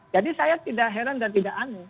jadi saya tidak heran dan tidak aneh